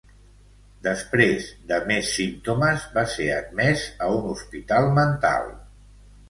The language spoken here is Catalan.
Després de més símptomes va ser admès a un hospital mental.